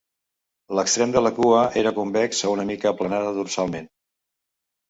L"extrem de la cua era convex o una mica aplanada dorsalment.